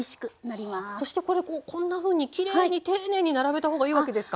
そしてこれこんなふうにきれいに丁寧に並べた方がいいわけですか？